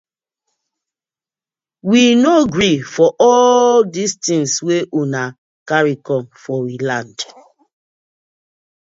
We no gree for all dis tinz wey una karry com for we land.